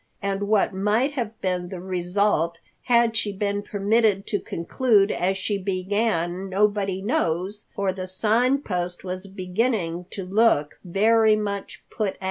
And what might have been the result had she been permitted to conclude as she began nobody knows, for the Sign Post was beginning to look very much put out.